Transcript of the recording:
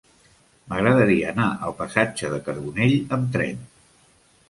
M'agradaria anar al passatge de Carbonell amb tren.